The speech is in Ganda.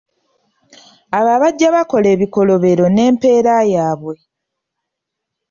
Abo abajja bakola ebikolobero n’empeera yaabwe.